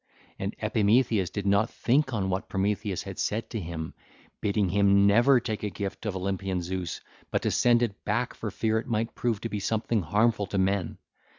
And Epimetheus did not think on what Prometheus had said to him, bidding him never take a gift of Olympian Zeus, but to send it back for fear it might prove to be something harmful to men.